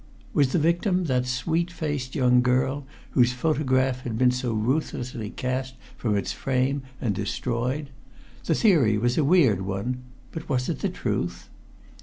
Was the victim that sweet faced young girl whose photograph had been so ruthlessly cast from its frame and destroyed? The theory was a weird one, but was it the truth?